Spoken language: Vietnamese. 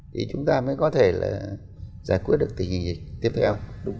thì chúng ta mới có thể là giải quyết được tình hình dịch tiếp theo đúng